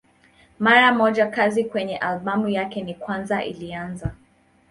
Mara moja kazi kwenye albamu yake ya kwanza ilianza.